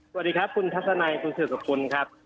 สวัสดีครับคุณทักษะใจคุณเศรษฐกุณครับ